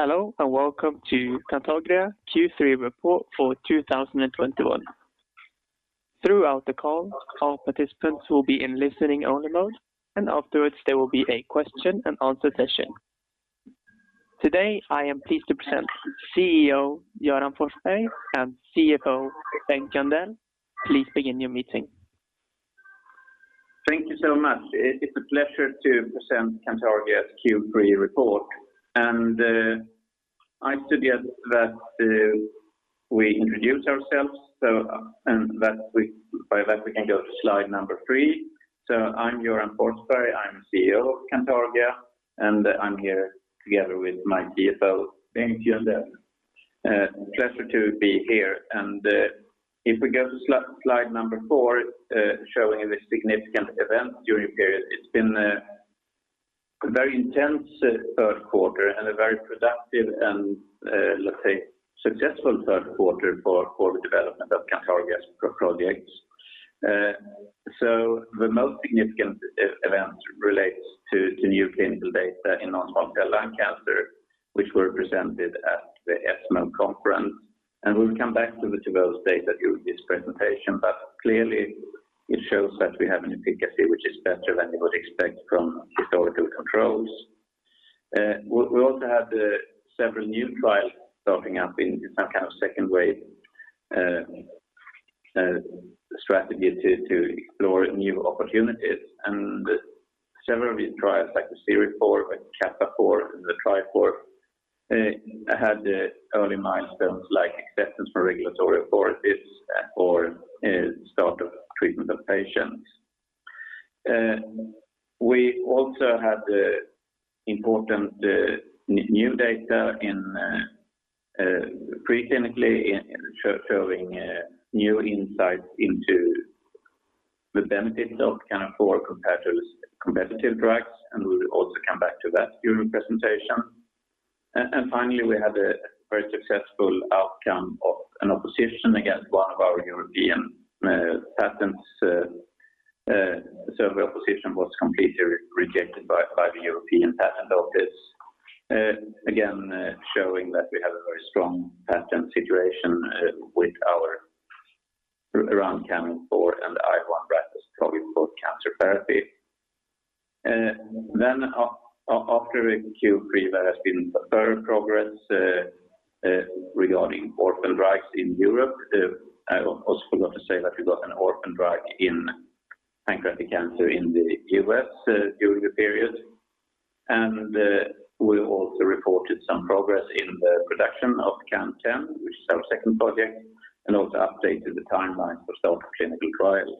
Hello and welcome to Cantargia Q3 report for 2021. Throughout the call, all participants will be in listening only mode, and afterwards there will be a question and answer session. Today, I am pleased to present CEO, Göran Forsberg and CFO, Bengt Jöndell. Please begin your meeting. Thank you so much. It's a pleasure to present Cantargia Q3 report. I suggest that we introduce ourselves and by that we can go to slide number three. I'm Göran Forsberg. I'm CEO of Cantargia, and I'm here together with my CFO, Bengt Jöndell. Pleasure to be here. If we go to slide number four, showing the significant event during period. It's been a very intense third quarter and a very productive and let's say successful third quarter for development of Cantargia's projects. The most significant event relates to new clinical data in non-small cell lung cancer, which were presented at the ESMO conference. We'll come back to those data during this presentation. Clearly it shows that we have an efficacy which is better than you would expect from historical controls. We also had several new trials starting up in some kind of second wave strategy to explore new opportunities. Several of these trials, like the CIRIFOUR, the CAPAFOUR, and the TRIFOUR, had early milestones like acceptance from regulatory authorities or start of treatment of patients. We also had important new data in preclinical showing new insights into the benefits of CAN04 versus competitive drugs, and we'll also come back to that during presentation. Finally, we had a very successful outcome of an opposition against one of our European patents. The opposition was completely rejected by the European Patent Office. Again, showing that we have a very strong patent situation with our patents around CAN04 and IL-1RAP for cancer therapy. After Q3, there has been further progress regarding orphan drugs in Europe. I also forgot to say that we got an orphan drug in pancreatic cancer in the U.S. during the period. We also reported some progress in the production of CAN10, which is our second project, and also updated the timeline for start of clinical trials.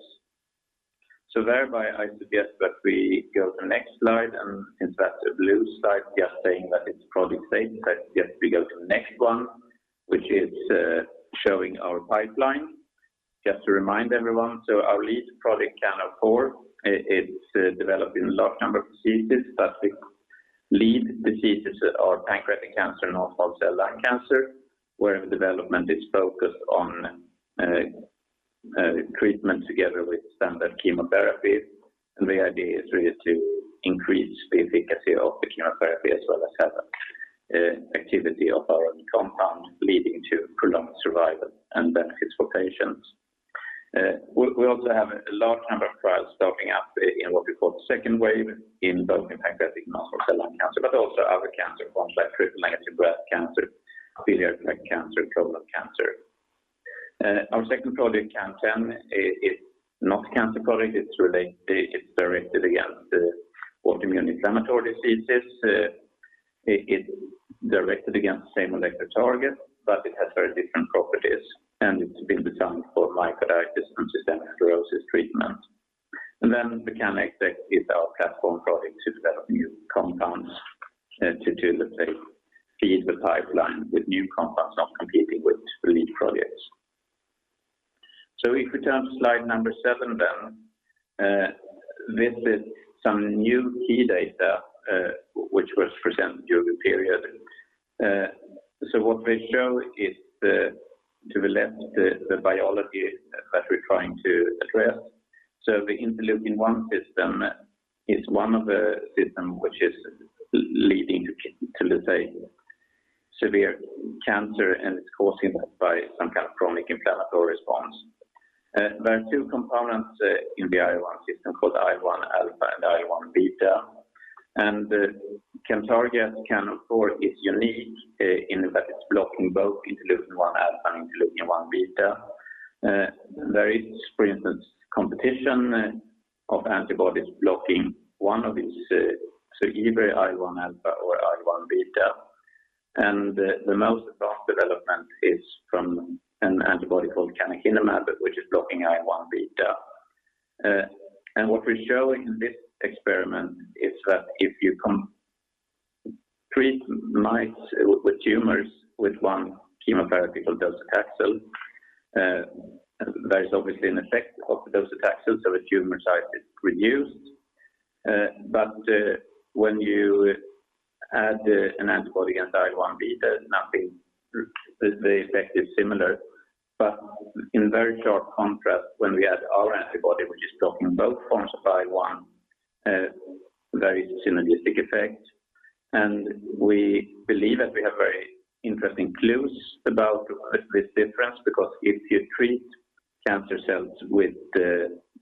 I suggest that we go to the next slide, and in fact, a blue slide, just saying that it's product safe. Yes, we go to the next one, which is showing our pipeline. Just to remind everyone, our lead product CAN04, it's developing a large number of diseases, but the lead diseases are pancreatic cancer, non-small cell lung cancer, where development is focused on treatment together with standard chemotherapy. The idea is really to increase the efficacy of the chemotherapy as well as have activity of our own compound leading to prolonged survival and benefits for patients. We also have a large number of trials starting up in what we call second wave in both pancreatic non-small cell lung cancer, but also other cancer forms like triple-negative breast cancer, biliary cancer, colon cancer. Our second product, CAN10, is not cancer product. It's directed against autoimmune inflammatory diseases. It directed against the same molecular target, but it has very different properties, and it's been designed for myocarditis and systemic sclerosis treatment. Then the CANxx is our platform product to develop new compounds to let's say, feed the pipeline with new compounds not competing with lead projects. If we turn to slide number sevem then, this is some new key data which was presented during the period. What we show is, to the left, the biology that we're trying to address. The interleukin-1 system is one of the system which is leading to let's say, severe cancer, and it's causing that by some kind of chronic inflammatory response. There are two components in the IL-1 system called IL-1 alpha and IL-1 beta. Cantargia CAN04 is unique in that it's blocking both interleukin-1 alpha and interleukin-1 beta. There is, for instance, competition of antibodies blocking one of these, either IL-1 alpha or IL-1 beta. The most advanced development is from an antibody called canakinumab, which is blocking IL-1 beta. What we're showing in this experiment is that if you can treat mice with tumors with one chemotherapy called docetaxel, there is obviously an effect of docetaxel, so the tumor size is reduced. But when you add an antibody against IL-1 beta, nothing. The effect is similar, but in very stark contrast, when we add our antibody, we're just blocking both forms of IL-1, very synergistic effect. We believe that we have very interesting clues about this difference because if you treat cancer cells with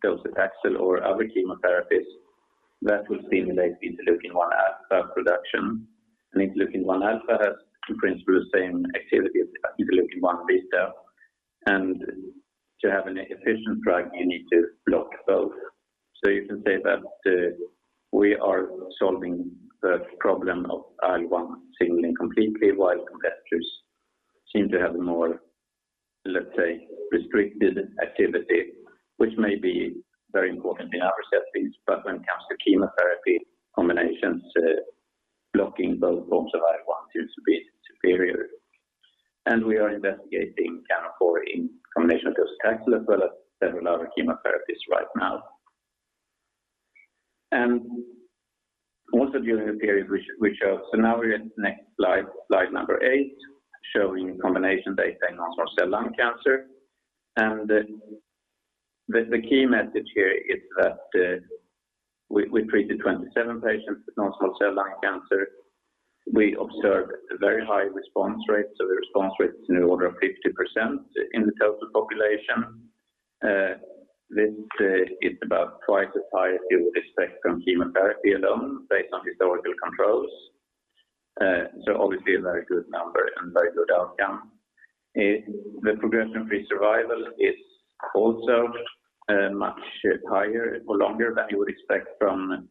docetaxel or other chemotherapies, that will stimulate interleukin-1 alpha production. Interleukin-1 alpha has in principle the same activity as interleukin-1 beta. To have an efficient drug, you need to block both. You can say that we are solving the problem of IL-1 signaling completely, while competitors seem to have more, let's say, restricted activity, which may be very important in other settings. When it comes to chemotherapy combinations, blocking both forms of IL-1 seems to be superior. We are investigating CAN04 in combination with docetaxel as well as several other chemotherapies right now. Now we're at next slide eight, showing combination data in non-small cell lung cancer. The key message here is that we treated 27 patients with non-small cell lung cancer. We observed a very high response rate, so the response rate is in the order of 50% in the total population. This is about twice as high as you would expect from chemotherapy alone based on historical controls. Obviously a very good number and very good outcome. The progression-free survival is also much higher or longer than you would expect from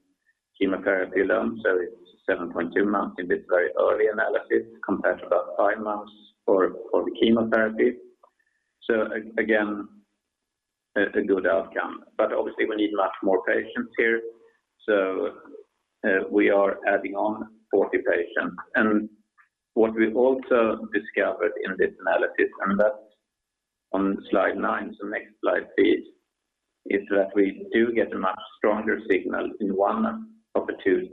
chemotherapy alone. It's 7.2 months in this very early analysis compared to about five months for the chemotherapy. Again, a good outcome. Obviously we need much more patients here, so we are adding on 40 patients. What we also discovered in this analysis, and that's on slide nine, so next slide please, is that we do get a much stronger signal in one of the two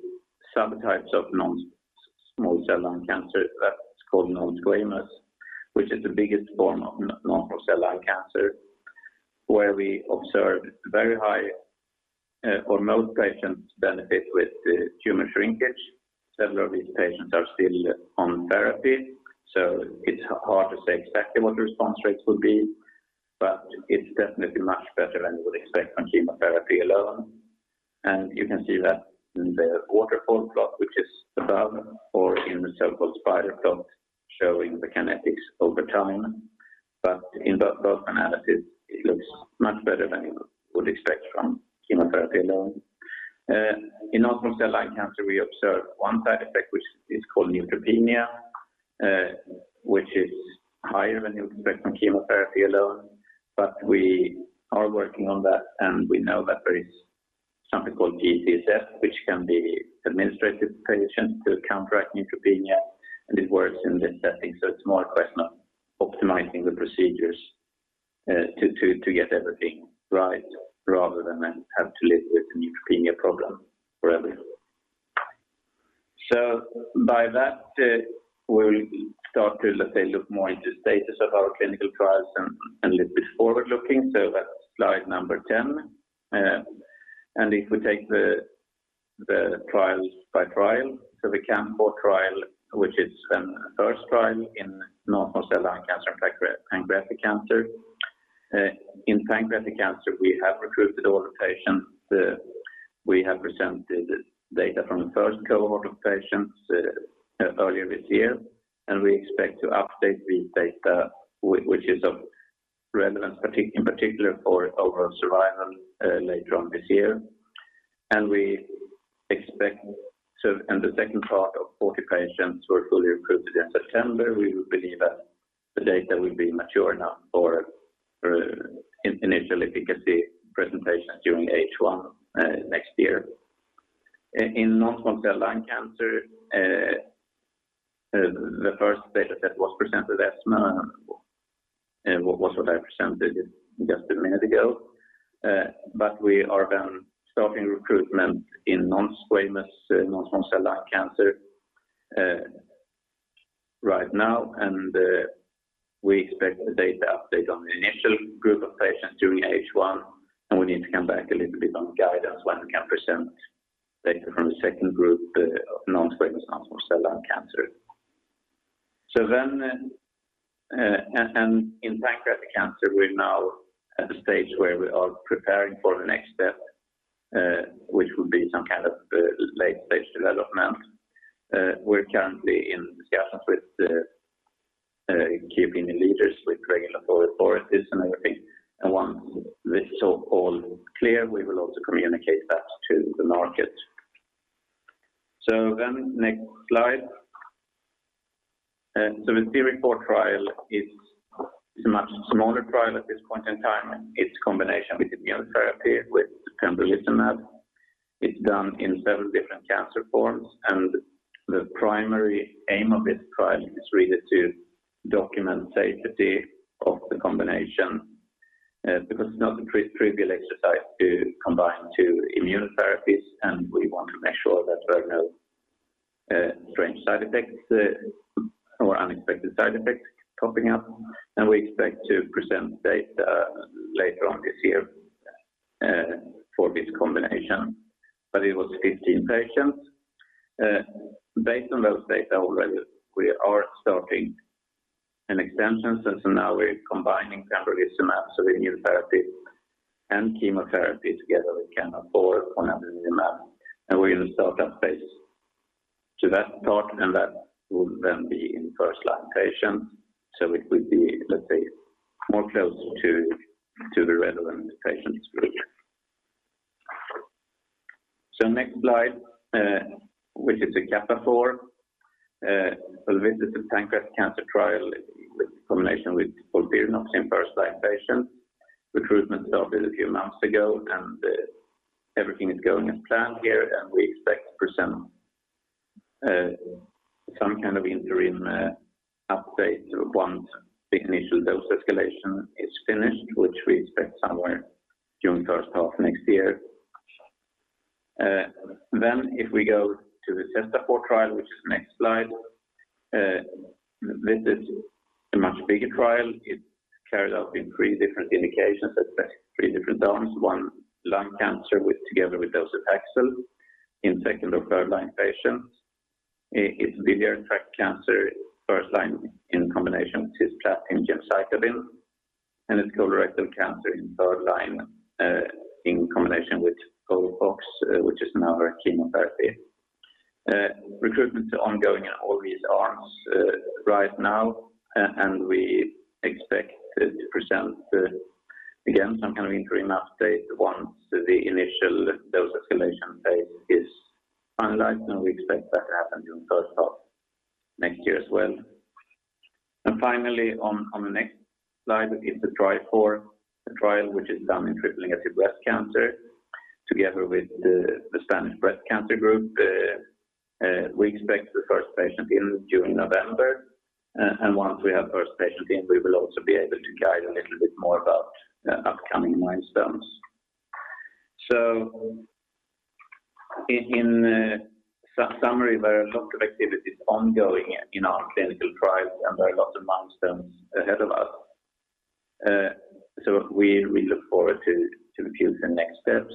subtypes of non-small cell lung cancer that's called non-squamous, which is the biggest form of non-small cell lung cancer, where we observed very high for most patients benefit with tumor shrinkage. Several of these patients are still on therapy, so it's hard to say exactly what the response rates will be, but it's definitely much better than you would expect from chemotherapy alone. You can see that in the waterfall plot, which is above or in the so-called spider plot showing the kinetics over time. In both analysis, it looks much better than you would expect from chemotherapy alone. In non-small cell lung cancer, we observed one side effect, which is called neutropenia, which is higher than you would expect from chemotherapy alone. We are working on that, and we know that there is something called G-CSF which can be administered to patients to counteract neutropenia, and it works in this setting. It's more a question of optimizing the procedures, to get everything right rather than then have to live with the neutropenia problem forever. By that, we'll start to let's say look more into status of our clinical trials and a little bit forward-looking. That's slide number 10. If we take the trial by trial, so the CANFOUR trial, which is a first trial in non-small cell lung cancer and pancreatic cancer. In pancreatic cancer, we have recruited all the patients. We have presented data from the first cohort of patients earlier this year, and we expect to update these data which is of relevance in particular for overall survival later on this year. The second part of 40 patients were fully recruited in September. We believe that the data will be mature enough for initial efficacy presentations during H1 next year. In non-small cell lung cancer, the first data set was presented at ESMO and was what I presented just a minute ago. But we are then starting recruitment in non-squamous non-small cell lung cancer right now. We expect the data update on the initial group of patients during H1, and we need to come back a little bit on guidance when we can present data from the second group of non-squamous non-small cell lung cancer. In pancreatic cancer, we're now at the stage where we are preparing for the next step, which will be some kind of late-stage development. We're currently in discussions with the key opinion leaders, with regulatory authorities and everything. Once this is all clear, we will also communicate that to the market. Next slide. The CIRIFOUR trial is a much smaller trial at this point in time. It's combination with immunotherapy with pembrolizumab. It's done in several different cancer forms, and the primary aim of this trial is really to document safety of the combination. Because it's not a non-trivial exercise to combine two immunotherapies, and we want to make sure that there are no strange side effects or unexpected side effects popping up. We expect to present data later on this year for this combination. But it was 15 patients. Based on those data already, we are starting an extension. So now we're combining pembrolizumab, so the immunotherapy and chemotherapy together with CAN04, and we're going to start that phase. That part, and that will then be in first-line patients. It will be, let's say, more closer to the relevant patients group. Next slide, which is the CAPAFOUR. This is a pancreatic cancer trial with combination with FOLFIRINOX first-line patients. Recruitment started a few months ago, and everything is going as planned here. We expect to present some kind of interim update once the initial dose escalation is finished, which we expect somewhere during first half next year. If we go to the CESTAFOUR trial, which is next slide. This is a much bigger trial. It carries out in three different indications at three different times. One, lung cancer together with docetaxel in second or third-line patients. It's biliary tract cancer first-line in combination with platinum gemcitabine, and it's colorectal cancer in third-line in combination with FOLFOX, which is another chemotherapy. Recruitment are ongoing in all these arms right now. We expect to present again some kind of interim update once the initial dose escalation phase is finalized, and we expect that to happen during first half next year as well. Finally, on the next slide is the TRIFOUR trial, which is done in triple-negative breast cancer together with GEICAM. We expect the first patient in during November. Once we have first patient in, we will also be able to guide a little bit more about upcoming milestones. In summary, there are a lot of activities ongoing in our clinical trials, and there are lots of milestones ahead of us. We look forward to the future next steps.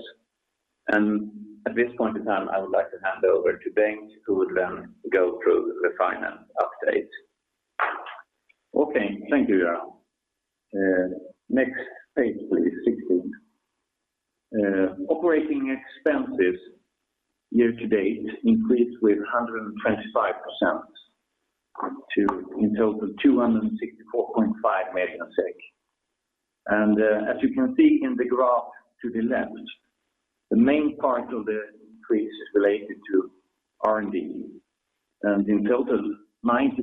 At this point in time, I would like to hand over to Bengt, who would then go through the finance update. Thank you, Göran. Next page, please, 16. Operating expenses year to date increased with 125% to in total 264.5 million. As you can see in the graph to the left, the main part of the increase is related to R&D. In total, 95%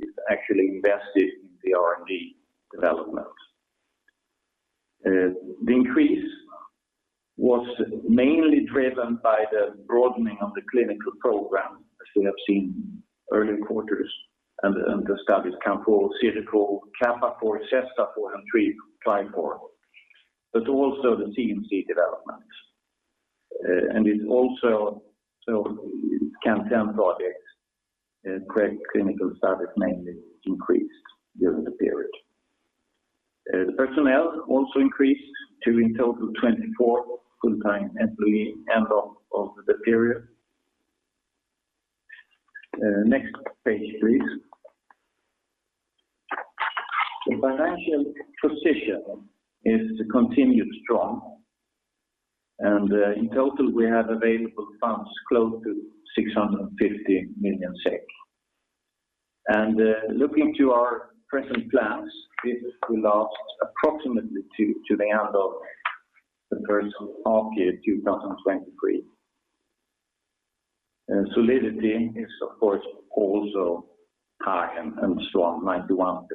is actually invested in the R&D development. The increase was mainly driven by the broadening of the clinical program, as we have seen earlier quarters under studies CAN04, CIRIFOUR, CAPAFOUR, CESTAFOUR, and TRIFOUR, but also the CMC developments. It also CAN10 projects, pre-clinical studies mainly increased during the period. The personnel also increased to in total 24 full-time employee end of the period. Next page, please. The financial position is continued strong. In total, we have available funds close to 650 million SEK. Looking to our present plans, this will last approximately to the end of the first half of 2023. Solidity is of course also high and strong, 91%.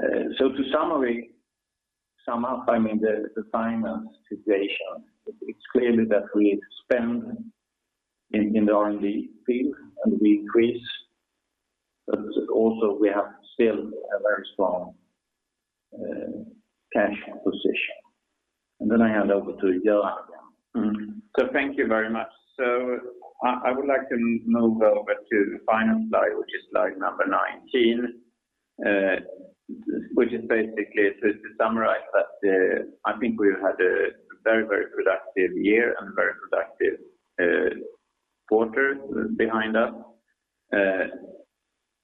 To sum up, I mean the finance situation. It's clear that we spend in the R&D field and we increase, but also we have still a very strong cash position. Then I hand over to Göran again. Thank you very much. I would like to move over to the final slide, which is slide number 19, which is basically to summarize that I think we've had a very, very productive year and a very productive quarter behind us.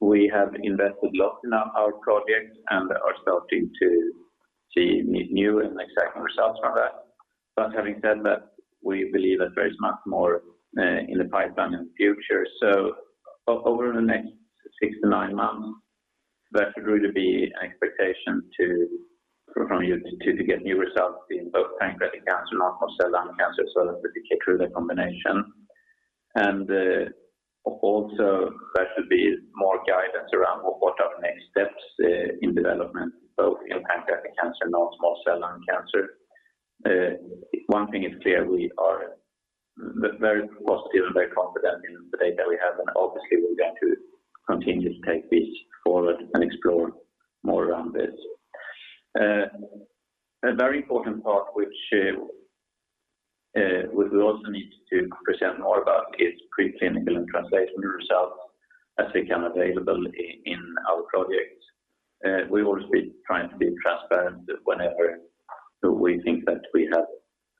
We have invested a lot in our projects and are starting to see new and exciting results from that. Having said that, we believe that there is much more in the pipeline in the future. Over the next 6-9 months, there should really be an expectation to get new results from the two in both pancreatic cancer, non-small cell lung cancer, so that's really through the combination. Also there should be more guidance around what are next steps in development both in pancreatic cancer, non-small cell lung cancer. One thing is clear, we are very positive and very confident in the data we have, and obviously we're going to continue to take this forward and explore more around this. A very important part which we also need to present more about is preclinical and translational results as they become available in our projects. We will be trying to be transparent whenever we think that we have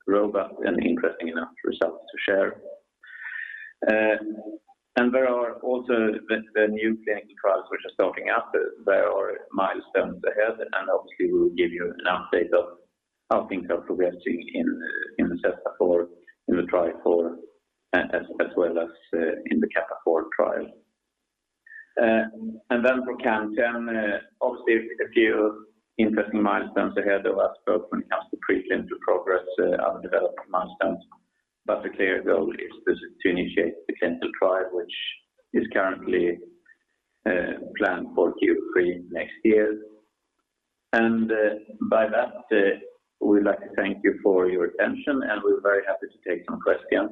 robust and interesting enough results to share. There are also the new clinical trials which are starting up. There are milestones ahead, and obviously we will give you an update of how things are progressing in the CESTAFOUR, in the TRIFOUR, as well as in the CAPAFOUR trial. Then for CAN10, obviously a few interesting milestones ahead of us both when it comes to preclinical progress, our development milestones. The clear goal is to initiate the clinical trial, which is currently planned for Q3 next year. By that, we'd like to thank you for your attention, and we're very happy to take some questions.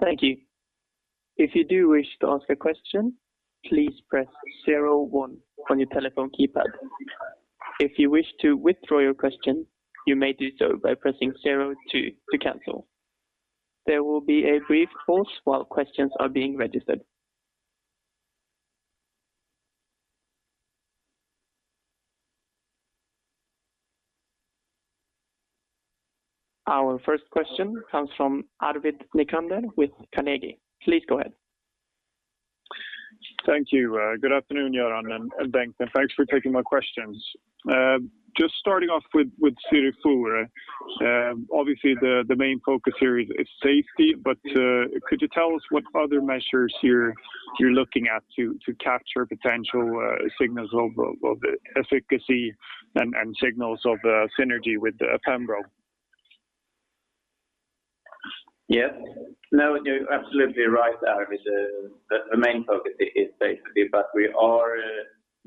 Thank you. If you do wish to ask a question, please press zero one on your telephone keypad. If you wish to withdraw your question, you may do so by pressing zero two to cancel. There will be a brief pause while questions are being registered. Our first question comes from Arvid Necander with Carnegie. Please go ahead. Thank you. Good afternoon, Göran and Bengt, and thanks for taking my questions. Just starting off with CIRIFOUR, obviously the main focus here is safety. Could you tell us what other measures you're looking at to capture potential signals of efficacy and signals of the synergy with pembro? Yes. No, you're absolutely right, Arvid. The main focus is safety, but we are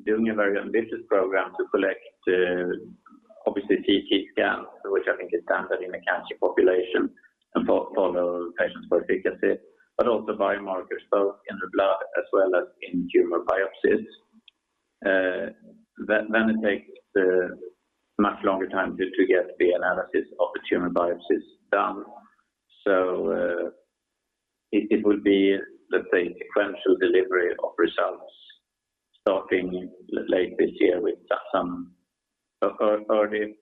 doing a very ambitious program to collect obviously CT scans, which I think is standard in the cancer population and follow patients for efficacy. Also biomarkers both in the blood as well as in tumor biopsies. That then takes a much longer time to get the analysis of the tumor biopsies done. It will be, let's say, sequential delivery of results starting late this year with some early,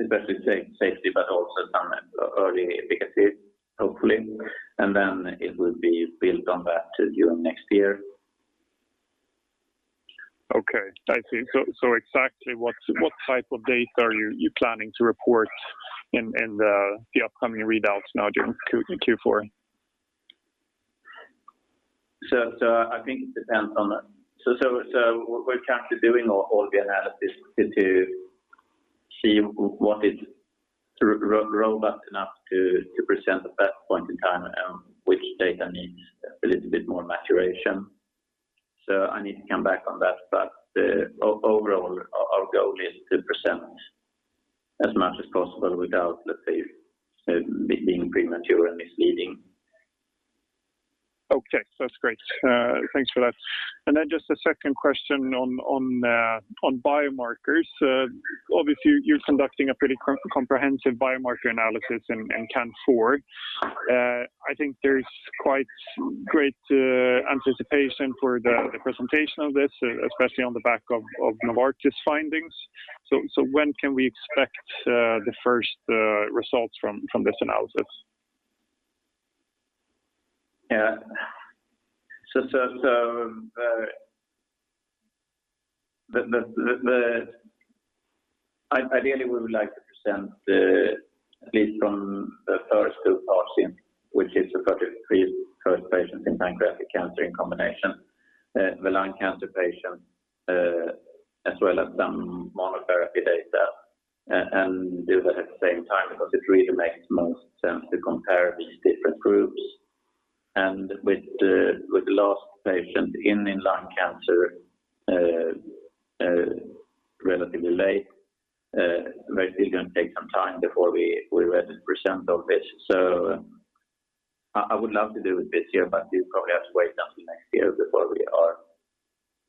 especially safety, but also some early efficacy, hopefully. It will be built on that during next year. Exactly what type of data are you planning to report in the upcoming readouts now during Q3,Q4? I think it depends on that. We're currently doing all the analysis to see what is robust enough to present at that point in time and which data needs a little bit more maturation. I need to come back on that. Overall, our goal is to present as much as possible without, let's say, being premature and misleading. Okay. That's great. Thanks for that. Then just a second question on biomarkers. Obviously you're conducting a pretty comprehensive biomarker analysis in CANFOUR. I think there's quite great anticipation for the presentation of this, especially on the back of Novartis findings. So when can we expect the first results from this analysis? Yeah. I ideally would like to present at least from the first two [cohorts], which is the 33 first patients in pancreatic cancer in combination, the lung cancer patients, as well as some monotherapy data. Do that at the same time because it really makes most sense to compare these different groups. With the last patient in lung cancer relatively late, we're still gonna take some time before we're ready to present all this. I would love to do it this year, but we probably have to wait until next year before we are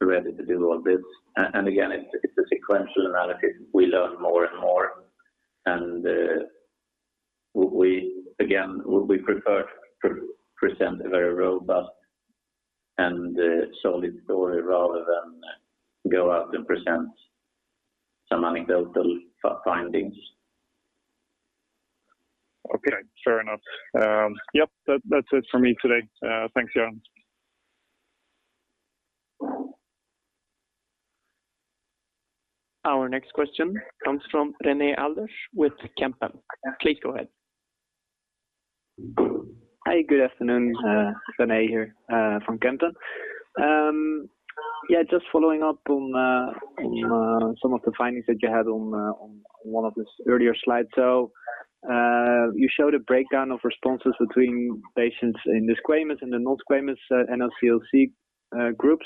ready to do all this. Again, it's a sequential analysis. We learn more and more, and we again prefer to present a very robust and solid story rather than go out and present some anecdotal findings. Okay. Fair enough. Yep. That's it for me today. Thanks, Göran. Our next question comes from [Rene Alders with Kempen]. Please go ahead. Hi, good afternoon. Rene here, from Kempen. Yeah, just following up on some of the findings that you had on one of the earlier slides. You showed a breakdown of responses between patients in the squamous and the non-squamous NSCLC groups.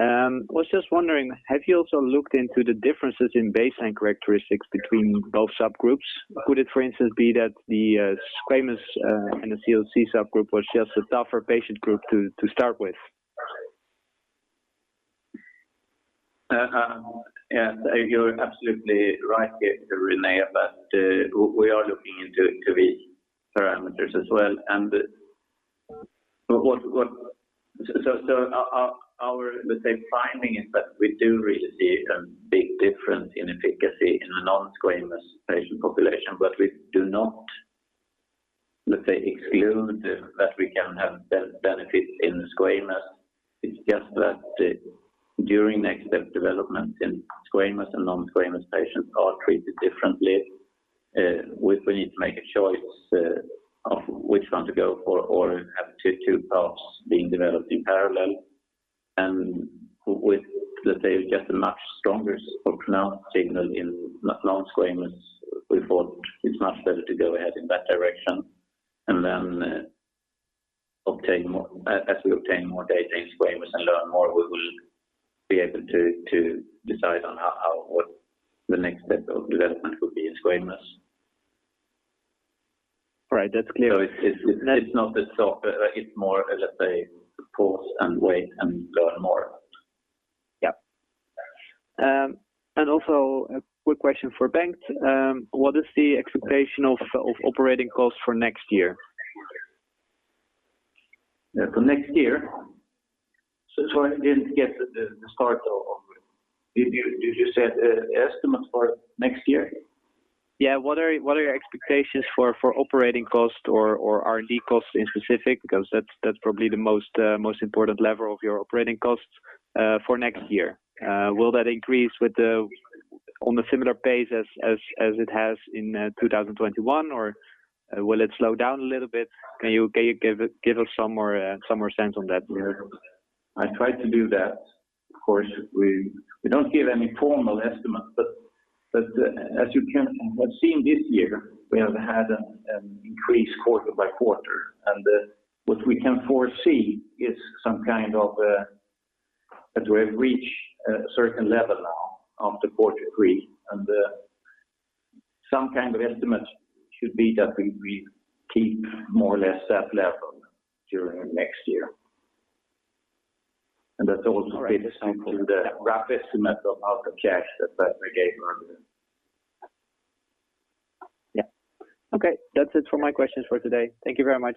I was just wondering, have you also looked into the differences in baseline characteristics between both subgroups? Could it, for instance, be that the squamous NSCLC subgroup was just a tougher patient group to start with? Yes, you're absolutely right there, Rene, but we are looking into these parameters as well. Our finding is that we do really see a big difference in efficacy in the non-squamous patient population. We do not exclude that we can have benefit in squamous. It's just that during next step development in squamous and non-squamous patients are treated differently. We need to make a choice of which one to go for or have two paths being developed in parallel. With just a much stronger or pronounced signal in non-squamous, we thought it's much better to go ahead in that direction. Obtain more. As we obtain more data in squamous and learn more, we will be able to decide on how what the next step of development will be in squamous. Right. That's clear. It's not that it's more, let's say, pause and wait and learn more. Yeah. A quick question for Bengt. What is the expectation of operating costs for next year? Yeah, for next year. Sorry, I didn't get the start. Did you say estimates for next year? What are your expectations for operating costs or R&D costs in specific? Because that's probably the most important lever of your operating costs for next year. Will that increase on a similar pace as it has in 2021, or will it slow down a little bit? Can you give us some more sense on that? Yeah. I tried to do that. Of course, we don't give any formal estimate, but as you can have seen this year, we have had an increase quarter by quarter. What we can foresee is some kind of that we have reached a certain level now after quarter three. Some kind of estimate should be that we keep more or less that level during next year. That also be the same for the rough estimate of outgoing cash that we gave earlier. Yeah. Okay. That's it for my questions for today. Thank you very much.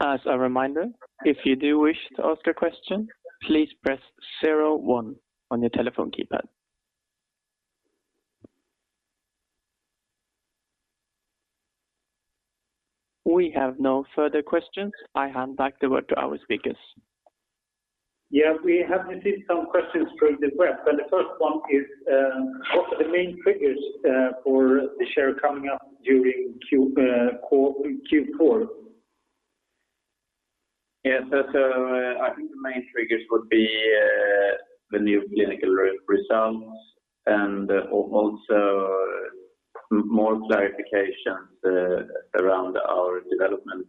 As a reminder, if you do wish to ask a question, please press zero one on your telephone keypad. We have no further questions. I hand back the word to our speakers. Yeah. We have received some questions through the web, and the first one is, what are the main triggers for the share coming up during Q4 call? Yeah. I think the main triggers would be the new clinical results and also more clarifications around our development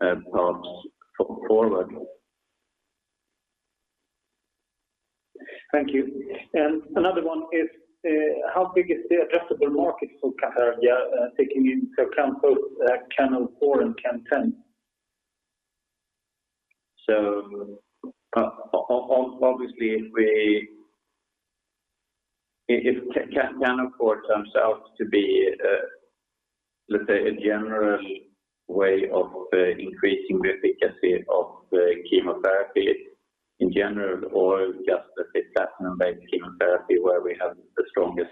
paths going forward. Thank you. Another one is, how big is the addressable market for Cantargia, taking into account both CAN04 and CAN10? Obviously, if CAN04 turns out to be, let's say, a general way of increasing the efficacy of chemotherapy in general or just the platinum-based chemotherapy where we have the strongest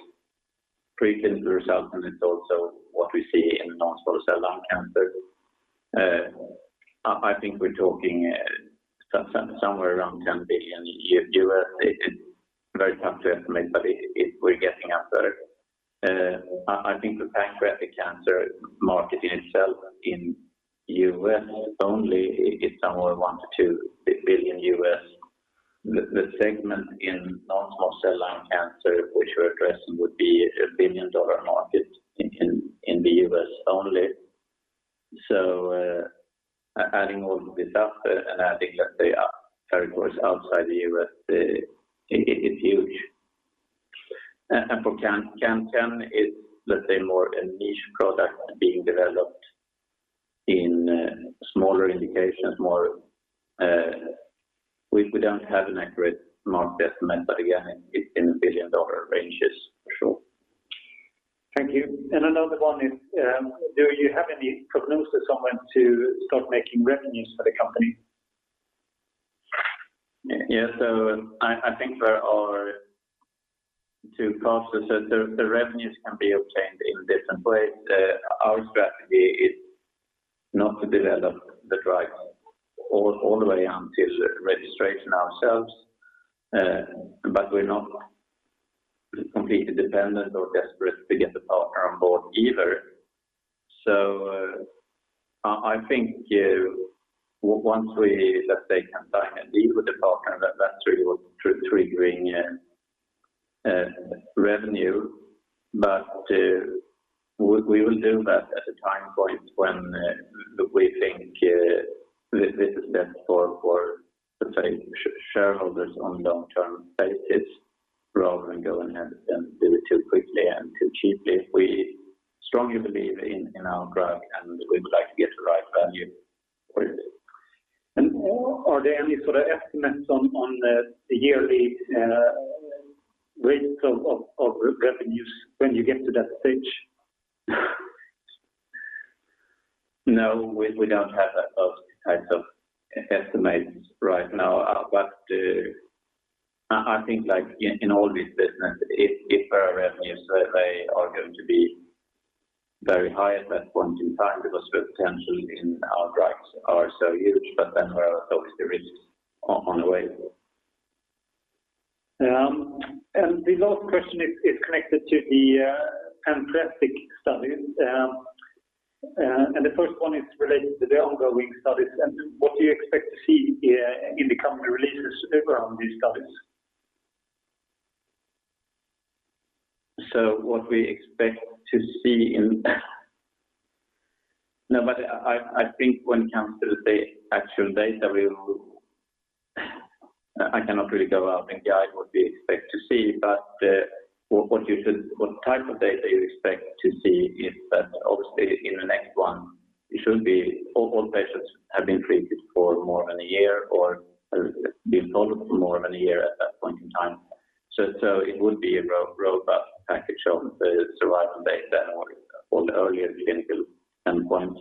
pre-clinical results, and it's also what we see in non-small cell lung cancer. I think we're talking somewhere around $10 billion. It's very tough to estimate, but we're getting up there. I think the pancreatic cancer market itself in U.S. only is somewhere $1 billion-$2 billion. The segment in non-small cell lung cancer, which we're addressing, would be a billion-dollar market in the U.S. only. Adding all of this up and adding, let's say, territories outside the U.S., it's huge. For CAN10 is, let's say, more a niche product being developed in smaller indications. We don't have an accurate market estimate, but again, it's in the billion-dollar ranges for sure. Thank you. Another one is, do you have any prognosis on when to start making revenues for the company? I think there are two parts to this. The revenues can be obtained in different ways. Our strategy is not to develop the drug all the way until registration ourselves, but we're not completely dependent or desperate to get a partner on board either. Once we, let's say, can sign a deal with the partner, that's really triggering revenue. We will do that at a time point when we think this is best for, let's say, shareholders on long-term basis rather than go ahead and do it too quickly and too cheaply. We strongly believe in our drug, and we would like to get the right value for it. Are there any sort of estimates on the yearly rates of revenues when you get to that stage? No, we don't have that, those types of estimates right now. I think like in all these businesses if our revenues they are going to be very high at that point in time because the potential in our drugs are so huge, but then there are always the risks on the way. The last question is connected to the pancreatic study. The first one is related to the ongoing studies. What do you expect to see in the company releases around these studies? I think when it comes to the actual data, I cannot really go out and guide what we expect to see. What type of data you expect to see is that obviously in the next one, it should be all patients have been treated for more than a year or have been followed for more than a year at that point in time. It would be a robust package of the survival data or on the earlier clinical endpoint.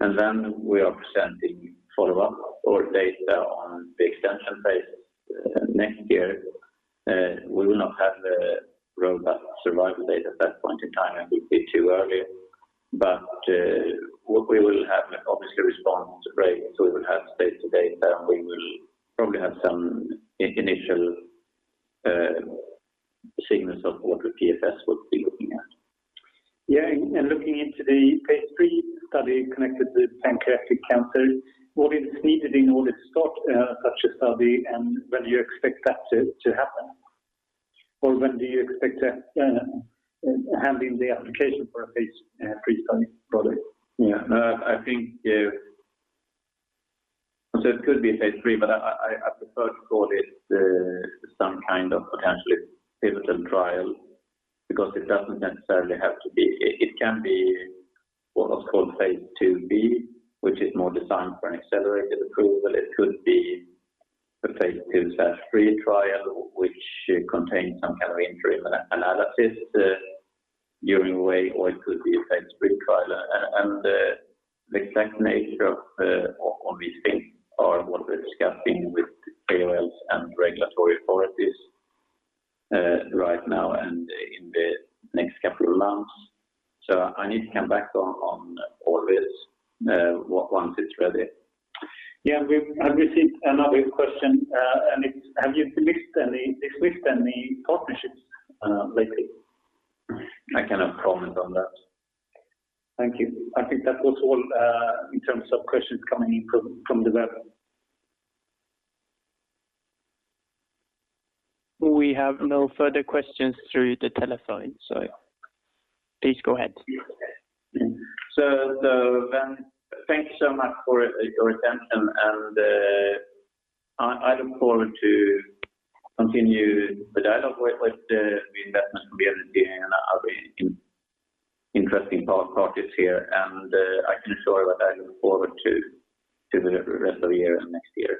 Then we are presenting follow-up data on the extension phase next year. We will not have the robust survival data at that point in time. It would be too early. What we will have obviously response rates, so we will have safety data, and we will probably have some initial signals of what the PFS would be looking at. Yeah. Looking into the phase III study connected to pancreatic cancer, what is needed in order to start such a study, and when do you expect that to happen? Or when do you expect to hand in the application for a phase III study product? Yeah. No, I think it could be a phase III, but I prefer to call it some kind of potentially pivotal trial because it doesn't necessarily have to be. It can be what was called phase IIb, which is more designed for an accelerated approval. It could be a phase III trial which contains some kind of interim analysis along the way, or it could be a phase III trial. And the exact nature of these things are what we're discussing with KOLs and regulatory authorities right now and in the next couple of months. I need to come back on all this once it's ready. Yeah. I've received another question. It's have you dismissed any partnerships lately? I cannot comment on that. Thank you. I think that was all in terms of questions coming in from the web. We have no further questions through the telephone, so please go ahead. Thank you so much for your attention, and I look forward to continue the dialogue with the investment community. I have a interesting product here, and I can assure you that I look forward to the rest of the year and next year.